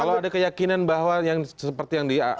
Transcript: kalau ada keyakinan bahwa yang seperti yang di